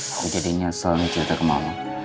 aku jadi nyesel nih cerita ke mama